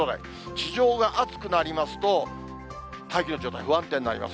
地上が熱くなりますと、大気の状態、不安定になります。